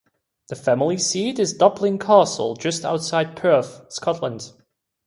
The family seat is Dupplin Castle, just outside Perth, Scotland.